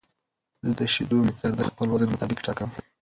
زه د شیدو مقدار د خپل وزن مطابق ټاکم.